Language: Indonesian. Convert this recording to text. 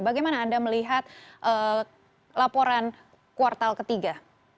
bagaimana anda melihat laporan kuartal ketiga